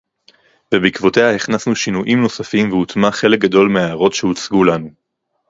ובעקבותיה הכנסנו שינויים נוספים והוטמע חלק גדול מההערות שהוצגו לנו